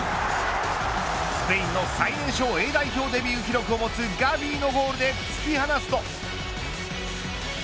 スペインの最年少Ａ代表デビュー記録を持つガヴィのゴールで突き放すと。